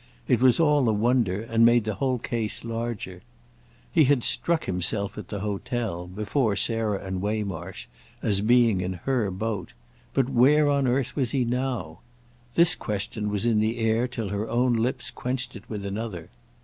It was all a wonder and made the whole case larger. He had struck himself at the hotel, before Sarah and Waymarsh, as being in her boat; but where on earth was he now? This question was in the air till her own lips quenched it with another.